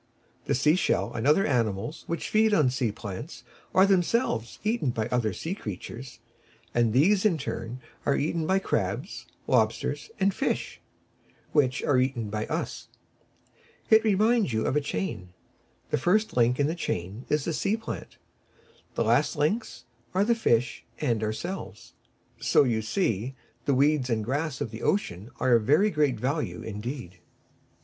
The shell fish, and other animals which feed on sea plants, are themselves eaten by other sea creatures, and these in their turn are eaten by crabs, lobsters and fish, which are eaten by us. It reminds you of a chain. The first link in the chain is the sea plant, the last links are the fish and ourselves. So, you see, the weeds and grass of the ocean are of very great value indeed.